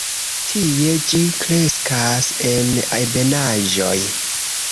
Tie ĝi kreskas en ebenaĵoj.